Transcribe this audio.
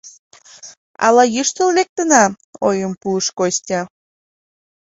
— Ала йӱштыл лектына? — ойым пуыш Костя.